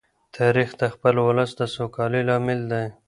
تاریخ د خپل ولس د سوکالۍ لامل دی.